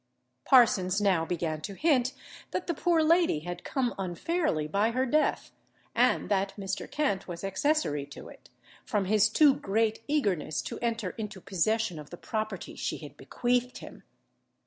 Parsons now began to hint that the poor lady had come unfairly by her death, and that Mr. Kent was accessory to it, from his too great eagerness to enter into possession of the property she had bequeathed him.